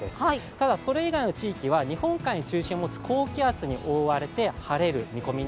ただそれ以外の地域は日本海に中心を持つ高気圧に覆われて晴れます。